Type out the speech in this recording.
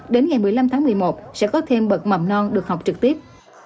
đến ngày một mươi năm tháng một mươi một sẽ có thêm bậc mầm non được học trực tiếp